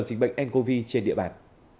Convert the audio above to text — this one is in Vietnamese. dịch bệnh ncov trên địa bàn